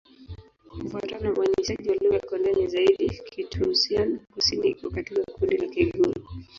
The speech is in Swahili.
Kufuatana na uainishaji wa lugha kwa ndani zaidi, Kitoussian-Kusini iko katika kundi la Kigur.